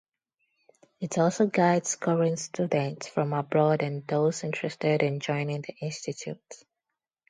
It also guides current students from abroad and those interested in joining the institute.